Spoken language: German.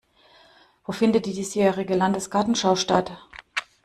Wo findet die diesjährige Landesgartenschau statt?